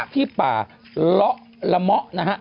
ที่ป่าละละมะนะฮะ